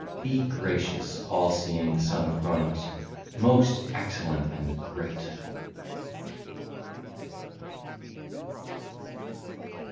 (l. 4) Be gracious, all seeing Son of Cronos, most excellent and great!